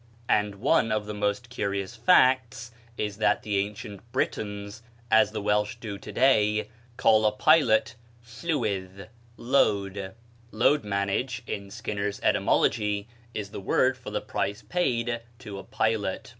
And one of the most curious facts is that the ancient Britons, as the Welsh do to day, call a pilot llywydd (lode). Lodemanage, in Skinner's 'Etymology,' is the word for the price paid to a pilot.